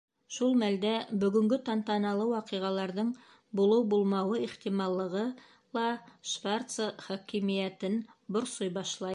Шул мәлдә бөгөнгө тантаналы ваҡиғаларҙың булыу-булмауы ихтималлығы ла Шварца хакимиәтен борсой башлай.